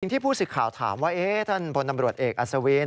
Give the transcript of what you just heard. อย่างที่ผู้สิทธิ์ข่าวถามว่าเอ๊ะท่านผลอำรวจเอกอัศวิน